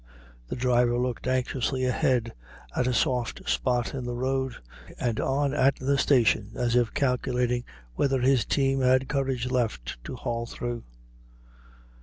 The driver looked anxiously ahead at a soft spot in the road, and on at the station, as if calculating whether his team had courage left to haul through.